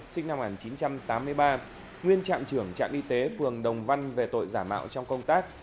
sinh năm một nghìn chín trăm tám mươi ba nguyên trạm trưởng trạm y tế phường đồng văn về tội giả mạo trong công tác